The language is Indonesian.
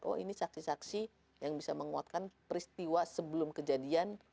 oh ini saksi saksi yang bisa menguatkan peristiwa sebelum kejadian